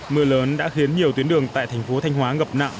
mưa lớn đã khiến nhiều tuyến đường tại thành phố thanh hóa ngập nặng